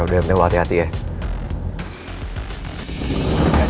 yaudah nanti gue hati hati ya